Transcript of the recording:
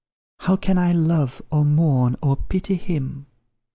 How can I love, or mourn, or pity him?